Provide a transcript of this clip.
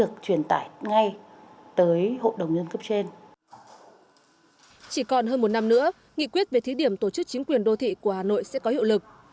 chỉ còn hơn một năm nữa nghị quyết về thí điểm tổ chức chính quyền đô thị của hà nội sẽ có hiệu lực